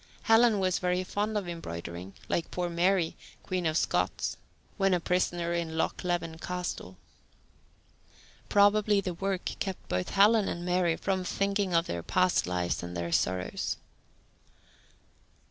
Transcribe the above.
Helen was very fond of embroidering, like poor Mary, Queen of Scots, when a prisoner in Loch Leven Castle. Probably the work kept both Helen and Mary from thinking of their past lives and their sorrows.